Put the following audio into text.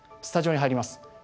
スタジオに入ります。